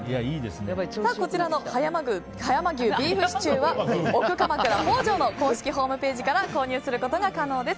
こちらの葉山牛ビーフシチュー奥鎌倉北條の公式ホームページから購入することが可能です。